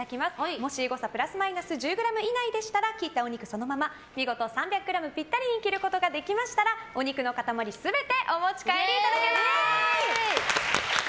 もし誤差プラスマイナス１０ｇ以内ですとそのまま見事３００ｇピッタリに切ることができましたがお肉の塊全てお持ち帰りいただけます。